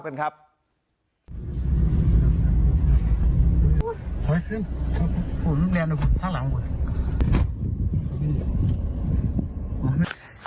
นั่งเรียนของคุณข้างหลังของคุณ